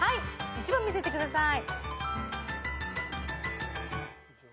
１番見せてください。